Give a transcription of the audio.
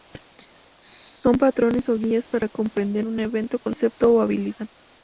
Son patrones o guías para comprender un evento, concepto o habilidad.